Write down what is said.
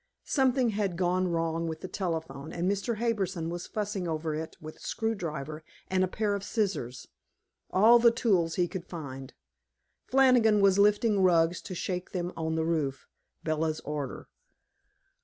Something had gone wrong with the telephone and Mr. Harbison was fussing over it with a screw driver and a pair of scissors all the tools he could find. Flannigan was lifting rugs to shake them on the roof Bella's order.